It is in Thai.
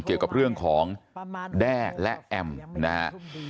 เกี่ยวกับเรื่องของแด้และแอมนะครับ